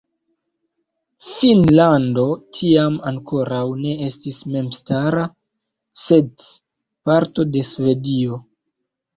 Finnlando tiam ankoraŭ ne estis memstara, sed parto de Svedio.